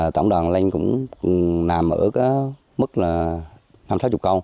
tổng đoàn anh cũng làm ở mức là năm mươi sáu mươi con